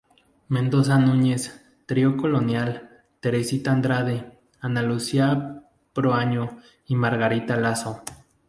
Mendoza Núñez, Trío Colonial, Teresita Andrade, Ana Lucia Proaño y Margarita Laso.